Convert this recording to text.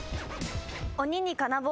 鬼に金棒。